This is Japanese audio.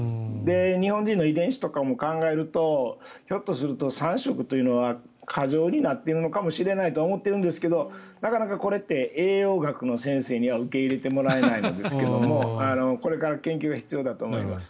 日本人の遺伝子とかを考えるとひょっとすると３食というのは過剰になっているかもしれないと思っているんですけどなかなかこれって栄養学の先生には受け入れてもらえないんですけれどもこれから研究が必要だと思います。